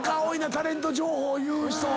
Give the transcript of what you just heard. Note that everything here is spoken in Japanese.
タレント情報言う人。